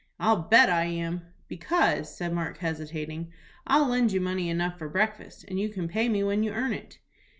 "I'll bet I am." "Because," said Mark, hesitating, "I'll lend you money enough for breakfast, and you can pay me when you earn it."